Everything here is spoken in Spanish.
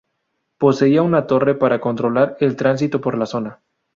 Poseía una torre para controlar el tránsito por la zona.